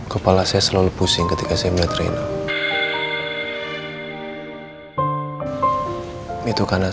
kepala saya selalu pusing ketika saya melihat rina